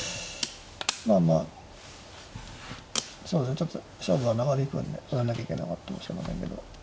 ちょっと勝負が長引くんでこうやんなきゃいけなかったかもしれませんけどま